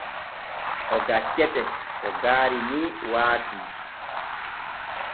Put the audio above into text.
O gaccete to gaari ni waati.